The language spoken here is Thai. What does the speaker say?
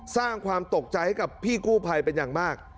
สร้างความตกใจให้กับพี่กู้ภัยเป็นอย่างมาก